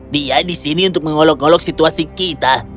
dia di sini untuk mengolok ngolok situasi kita